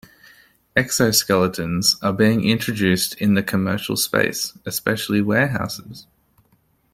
Exo-skeletons are being introduced in the commercial space especially warehouses.